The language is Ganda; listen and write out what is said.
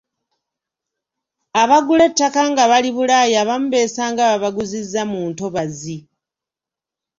Abagula ettaka nga bali bulaaya abamu beesanga babaguzizza mu ntobazi.